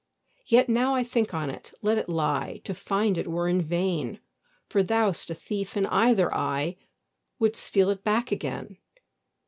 Yet now I think on't, let it lie; To find it were in vain, For thou'st a thief in either eye Would steal it back again.